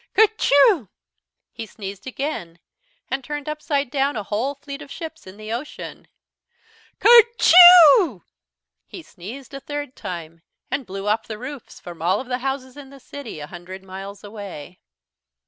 "Kerchoo!!! he sneezed again, and turned upside down a whole fleet of ships in the ocean. "Kerchoooooo!!!! he sneezed a third time, and blew off the roofs from all the houses in the city, a hundred miles away.